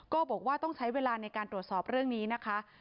ก็บอกว่าต้องใช้เวลาในการตรวจสอบเรื่องนี้นะคะ